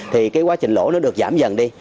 thì cái quá trình lỗ nó được giảm dần đi